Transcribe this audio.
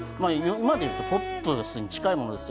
今で言うとポップに近いものです。